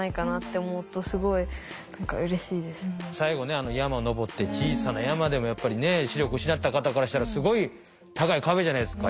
あの山登って小さな山でもやっぱりね視力失った方からしたらすごい高い壁じゃないですか。